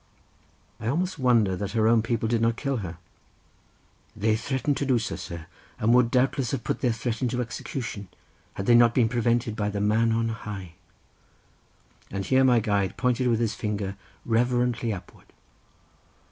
"I almost wonder that her own people did not kill her." "They threatened to do so, sir, and would doubtless have put their threat into execution, had they not been prevented by the Man on High." And here my guide pointed with his finger reverently upward.